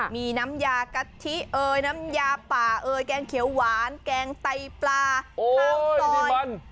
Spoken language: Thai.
มีน้ำยากะทิน้ำยาป่าแกงเขียวหวานแกงไตล์ปลาข้าวสอน